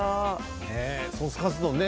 ソースカツ丼ね